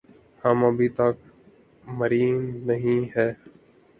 ہم أبھی تک مریں نہیں ہے۔